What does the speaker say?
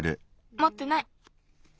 もってない。